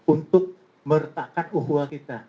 untuk meretakkan uhwah kita